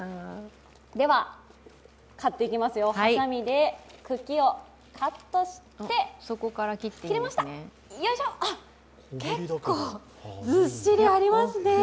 では、刈っていきますよ、はさみで茎をカットして結構ずっしりありますね。